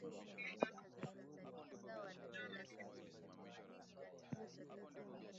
michongom Mdomo na ulimi wa twiga humsaidia kuweza kula hata maeneo yenye miba na